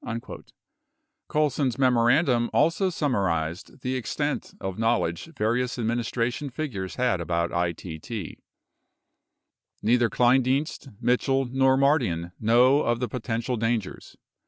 59 Colson's memorandum also summarized the extent of knowledge various administration figures had about ITT : Neither Kleindienst, Mitchell, nor Mardian know of the potential dangers.